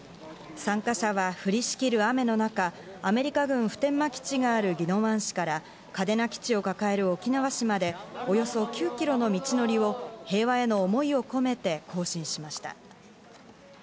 参加者は降りしきる雨の中、アメリカ軍普天間基地がある宜野湾市から嘉手納基地を抱える沖縄市まで、およそ９キロの道のりを平和への思いを込めて行進しました。